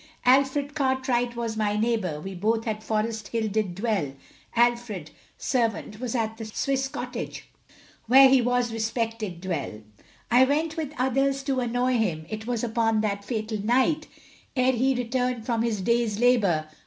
Alfred Cartwright was my neighbour, We both at Forest Hill did dwell, Alfred, servant was at the Swiss Cottage, Where he was respected well; I went with others to annoy him, It was upon that fatal night, Ere he returned from his day's labour.